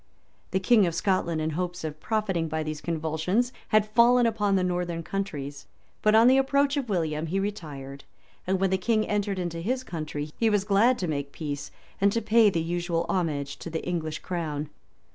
The king of Scotland, in hopes of profiting by these convulsions, had fallen upon the northern counties; but on the approach of William, he retired; and when the king entered his country, he was glad to make peace, and to pay the usual homage to the English crown.